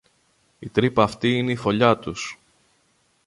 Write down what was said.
Η τρύπα αυτή είναι η φωλιά τους